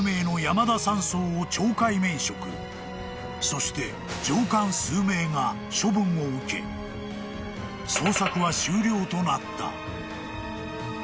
［そして上官数名が処分を受け捜索は終了となった］